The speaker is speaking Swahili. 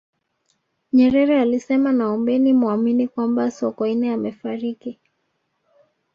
nyerere alisema naombeni muamini kwamba sokoine amefariki